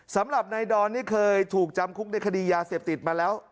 สำหรับนายดอนนี่เคยถูกจำคุกในคดียาเสพติดมาแล้ว